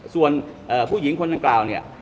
ส่วนผู้หญิงคนดังกล่าวเนี่ย